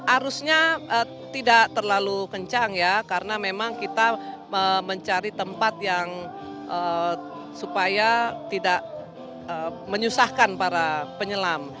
arusnya tidak terlalu kencang ya karena memang kita mencari tempat yang supaya tidak menyusahkan para penyelam